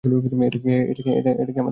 এটা কি আমাদের একটু দেরি হয়ে যাবে না?